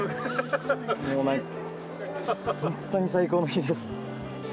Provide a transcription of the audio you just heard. もう本当に最高の日です。